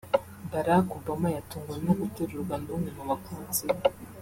Barack Obama yatunguwe no guterurwa n’umwe mu bakunzi be